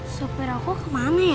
sopir aku kemana ya